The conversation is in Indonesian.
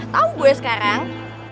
tau gue sekarang